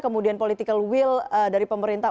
kemudian political will dari pemerintah